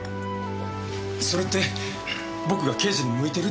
それって僕が刑事に向いてるって事ですか？